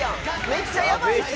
めっちゃやばい人やん！